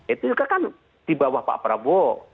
itu juga kan di bawah pak prabowo